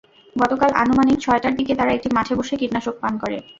গতকাল আনুমানিক সন্ধ্যা ছয়টার দিকে তারা একটি মাঠে বসে কীটনাশক পান করে।